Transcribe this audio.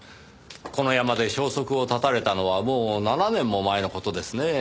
この山で消息を絶たれたのはもう７年も前の事ですねぇ。